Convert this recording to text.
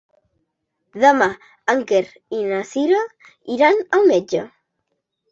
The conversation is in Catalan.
Demà en Quer i na Cira iran al metge.